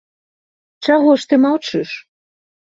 Чаго ж ты маўчыш?